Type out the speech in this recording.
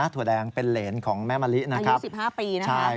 ถั่วแดงเป็นเหรนของแม่มะลิอายุ๑๕ปี